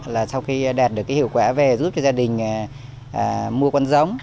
là sau khi đạt được cái hiệu quả về giúp cho gia đình mua con giống